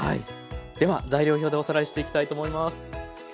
では材料表でおさらいしていきたいと思います。